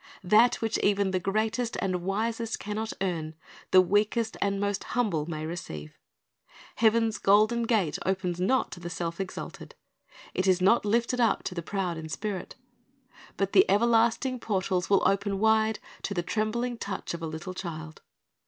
That which even the greatest and wisest can not earn, the weakest and most humble may receive. Heaven's golden gate opens not to the self exalted. It is not lifted up to the proud in spirit. But the everlasting portals will open wide to the trembling touch of a little child.